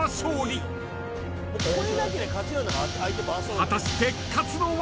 ［果たして勝つのは？］